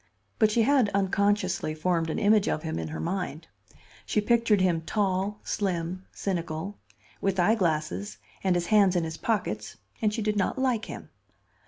But she had unconsciously formed an image of him in her mind. She pictured him tall, slim, cynical; with eye glasses, and his hands in his pockets; and she did not like him.